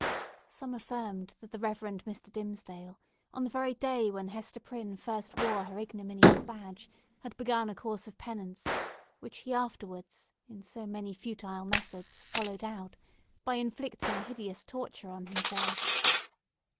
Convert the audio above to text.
Some affirmed that the Reverend Mr. Dimmesdale, on the very day when Hester Prynne first wore her ignominious badge, had begun a course of penance—which he afterwards, in so many futile methods, followed out—by inflicting a hideous torture on himself.